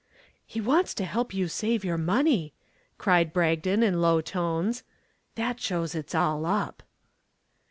"He wants to help you to save your money," cried Bragdon in low tones. "That shows it's all up."